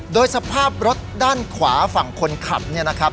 โดยสภาพรถด้านขวาฝั่งคนขับเนี่ยนะครับ